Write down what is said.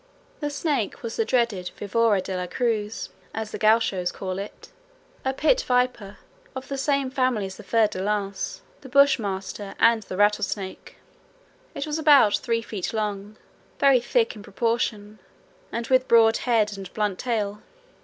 The snake was the dreaded vivora de la cruz, as the gauchos call it, a pit viper of the same family as the fer de lance, the bush master, and the rattlesnake. It was about three feet long, very thick in proportion, and with broad head and blunt tail.